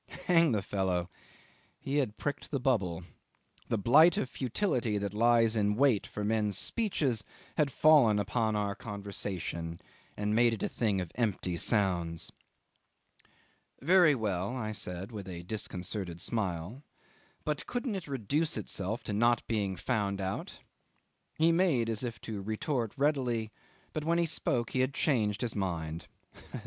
Hang the fellow! he had pricked the bubble. The blight of futility that lies in wait for men's speeches had fallen upon our conversation, and made it a thing of empty sounds. "Very well," I said, with a disconcerted smile; "but couldn't it reduce itself to not being found out?" He made as if to retort readily, but when he spoke he had changed his mind.